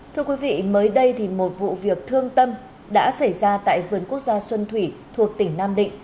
thưa quý vị mới đây thì một vụ việc thương tâm đã xảy ra tại vườn quốc gia xuân thủy thuộc tỉnh nam định